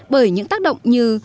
bởi những tác động như